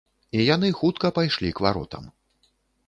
І яны хутка пайшлі к варотам.